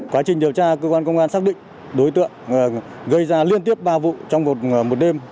quá trình điều tra cơ quan công an xác định đối tượng gây ra liên tiếp ba vụ trong một đêm